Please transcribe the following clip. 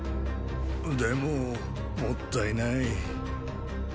でももったいない。